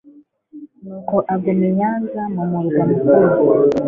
nuko aguma i nyanza mu murwa mukuru